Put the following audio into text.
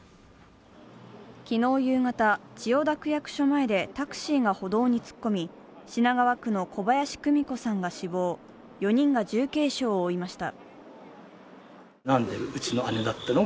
昨日夕方、千代田区役所でタクシーが歩道に突っ込み、品川区の小林久美子さんが死亡、４人が重軽傷を負いました。